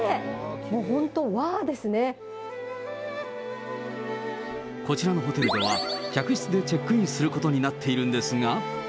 本当、こちらのホテルでは、客室でチェックインすることになっているんですが。